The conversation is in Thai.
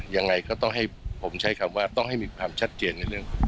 ยังไงก็ต้องให้ผมใช้คำว่าต้องให้มีความชัดเจนในเรื่อง